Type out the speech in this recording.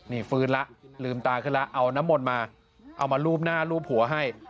นี่ฟื้นแล้วลืมตาขึ้นแล้วเอาน้ำมนต์มาเอามารูปหน้ารูปหัวให้